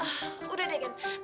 ah udah deh gan